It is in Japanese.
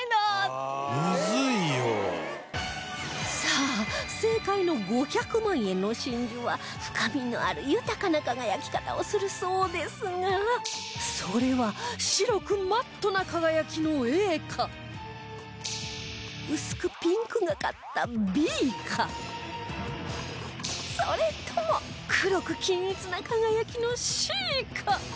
さあ正解の５００万円の真珠は深みのある豊かな輝き方をするそうですがそれは白くマットな輝きの Ａ か薄くピンクがかった Ｂ かそれとも黒く均一な輝きの Ｃ か